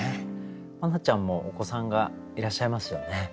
茉奈ちゃんもお子さんがいらっしゃいますよね。